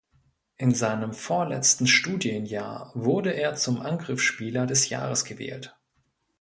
In seinem vorletzten Studienjahr wurde er zum Angriffsspieler des Jahres gewählt.